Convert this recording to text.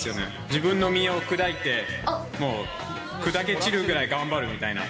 自分の身を砕いて、砕け散るぐらい頑張るみたいな。